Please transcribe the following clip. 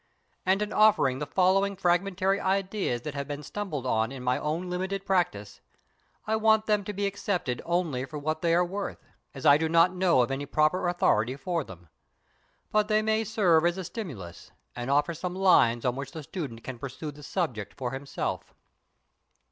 And in offering the following fragmentary ideas that have been stumbled on in my own limited practice, I want them to be accepted only for what they are worth, as I do not know of any proper authority for them. But they may serve as a stimulus, and offer some lines on which the student can pursue the subject for himself.